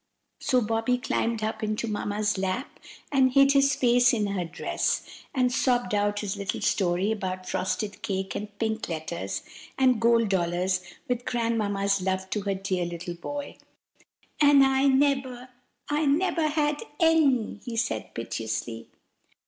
So Bobby climbed up into Mamma's lap and hid his face in her dress, and sobbed out his little story about frosted cake and pink letters, and gold dollars with Grandmamma's love to her dear little boy. "And I neber—I neber had any!" he said, piteously.